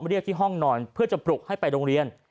เรียกที่ห้องนอนเพื่อจะปลุกให้ไปโรงเรียน